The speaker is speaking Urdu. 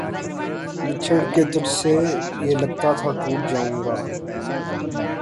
بچھڑ کے تجھ سے یہ لگتا تھا ٹوٹ جاؤں گا